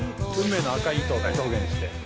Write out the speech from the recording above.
運命の赤い糸を表現して。